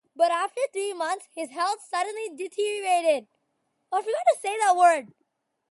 But after three months his health suddenly deteriorated.